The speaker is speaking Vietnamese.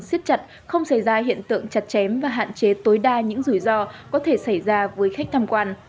xiết chặt không xảy ra hiện tượng chặt chém và hạn chế tối đa những rủi ro có thể xảy ra với khách tham quan